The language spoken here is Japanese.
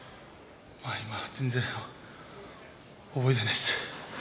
今、全然覚えていないです。